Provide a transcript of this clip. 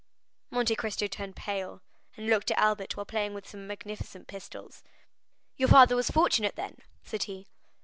Monte Cristo turned pale, and looked at Albert, while playing with some magnificent pistols. "Your father was fortunate, then?" said he.